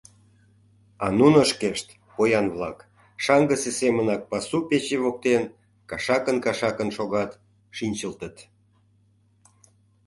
А нуно шкешт, поян-влак, шаҥгысе семынак пасу пече воктен кашакын-кашакын шогат, шинчылтыт.